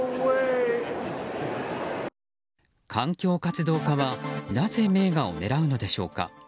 環境活動家はなぜ名画を狙うのでしょうか。